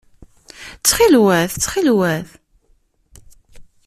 Ttxil-wet! Ttxil-wet!